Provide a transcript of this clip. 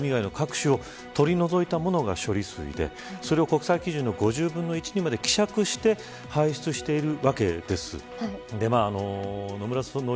汚染された水を、でき得る限りトリチウム以外の核種を取り除いたものが処理水でそれを国際基準の５０分の１にまで希釈して排出しているわけです。